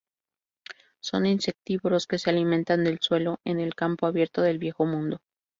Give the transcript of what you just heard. Son insectívoros que se alimentan del suelo en el campo abierto del Viejo Mundo.